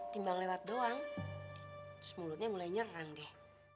timbang lewat doang terus mulutnya mulai nyerang deh